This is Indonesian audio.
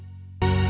masih tak embarrassed